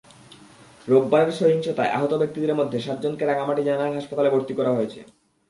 রোববারের সহিংসতায় আহত ব্যক্তিদের মধ্যে সাতজনকে রাঙামাটি জেনারেল হাসপাতালে ভর্তি করা হয়েছে।